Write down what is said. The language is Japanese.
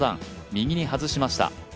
右に外しました。